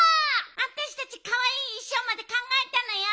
あたしたちかわいいいしょうまでかんがえたのよ。